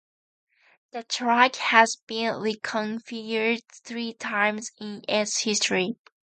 The track has been re-configured three times in its history.